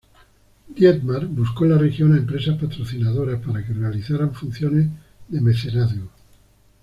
Dietmar buscó en la región a empresas patrocinadoras para que realizaran funciones de mecenazgo.